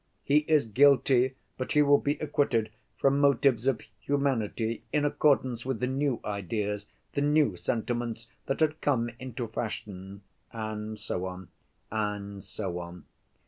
"He is guilty, but he will be acquitted, from motives of humanity, in accordance with the new ideas, the new sentiments that had come into fashion," and so on, and so on.